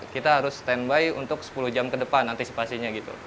kita harus standby untuk sepuluh jam ke depan antisipasinya gitu